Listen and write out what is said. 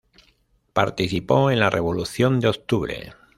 Participó en la Revolución de Octubre.